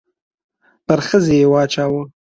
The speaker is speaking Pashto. پر ښځې يې واچاوه.